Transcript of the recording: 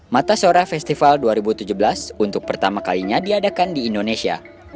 mata sora festival dua ribu tujuh belas untuk pertama kalinya diadakan di indonesia